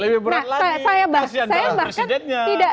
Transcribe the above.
lebih berat lagi nah saya bahkan